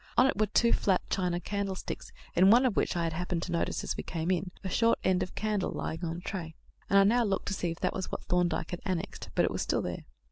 On it were two flat china candlesticks, in one of which I had happened to notice, as we came in, a short end of candle lying in the tray, and I now looked to see if that was what Thorndyke had annexed; but it was still there.